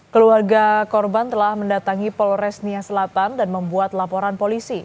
keluarga korban telah mendatangi polres nia selatan dan membuat laporan polisi